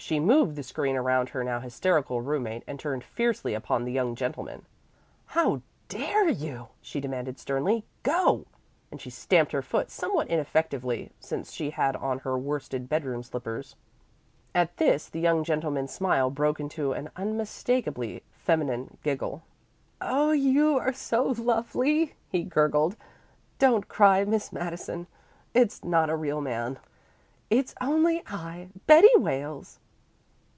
She moved the screen around her now hysterical roommate and turned fiercely upon the young gentleman. "How dare you!" she demanded sternly. "Go!" And she stamped her foot somewhat ineffectively, since she had on her worsted bedroom slippers. At this the young gentleman's smile broke into an unmistakably feminine giggle. "Oh, you are so lovely!" he gurgled. "Don't cry, Miss Madison. It's not a real man. It's only I Betty Wales."